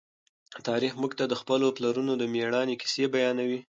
تاریخ موږ ته د خپلو پلرونو د مېړانې کیسې بیانوي.